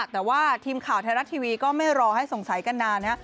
แต่ว่าทีมข่าวไทยรัฐทีวีก็ไม่รอให้สงสัยกันนานนะ